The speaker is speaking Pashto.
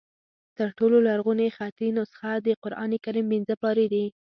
تر ټولو لرغونې خطي نسخه د قرآن کریم پنځه پارې دي.